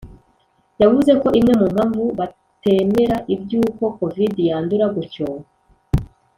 yavuze ko imwe mu mpamvu batemera iby'uko Covid yandura gutyo